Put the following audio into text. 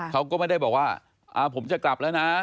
เขาก็ไม่ได้บอกว่าผมจะกลับแล้วนะ